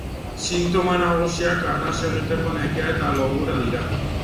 Sintoma nagusiak arnas egiteko nekea eta logura dira.